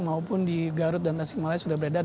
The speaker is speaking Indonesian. maupun di garut dan tasikmalaya sudah beredar